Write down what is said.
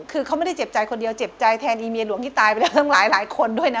คือเขาไม่ได้เจ็บใจคนเดียวเจ็บใจแทนอีเมียหลวงที่ตายไปแล้วทั้งหลายคนด้วยนะ